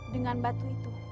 dengan batu itu